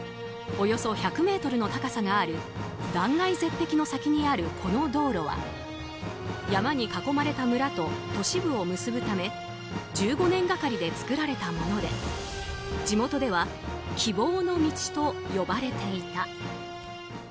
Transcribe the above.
およそ１００ｍの高さがある断崖絶壁の先にあるこの道路は、山に囲まれた村と都市部を結ぶため１５年がかりで造られたもので地元では希望の道と呼ばれていた。